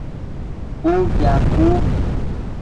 Ú yaku.